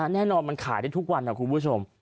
แน่นอนมันขายได้ทุกวันนะคุณผู้ชม